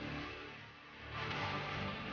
tujuh puluh lima renteng dari